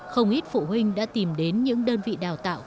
không ít phụ huynh đã tìm đến những đơn vị đào tạo có uy tín